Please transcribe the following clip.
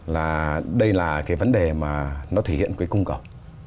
là đây là cái vấn đề mà nó thể hiện cái cung cầu